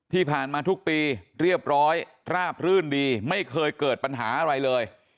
ที่ผ่านมาทุกปีเรียบร้อยราบรื่นดีไม่เคยเกิดปัญหาอะไรเลย